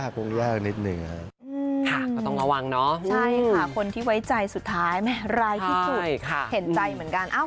เป็นใจเหมือนกัน